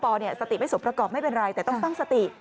สติไม่สมประกอบไม่เป็นไรแต่ต้องตั้งสติ